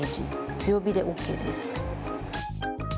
強火でＯＫです。